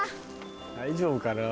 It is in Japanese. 大丈夫かな？